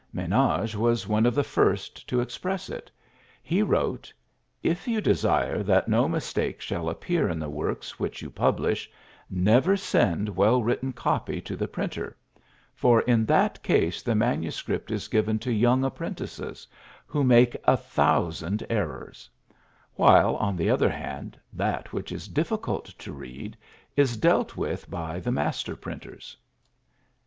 Menage was one of the first to express it. He wrote: 'If you desire that no mistake shall appear in the works which you publish, never send well written copy to the printer, for in that case the manuscript is given to young apprentices, who make a thousand errors; while, on the other hand, that which is difficult to read is dealt with by the master printers.'"